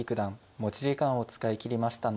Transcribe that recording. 持ち時間を使い切りましたね。